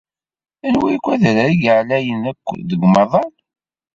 Anwa adrar i yeɛlayen akk deg umaḍal?